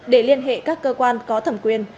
để liên hệ các cơ quan có thẩm quyền